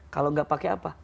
kalau gak pakai apa